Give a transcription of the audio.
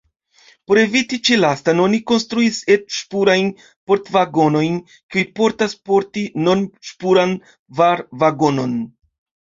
Por eviti ĉi-lastan oni konstruis et-ŝpurajn port-vagonojn, kiuj povas porti norm-ŝpuran var-vagonon.